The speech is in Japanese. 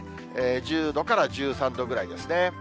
１０度から１３度くらいですね。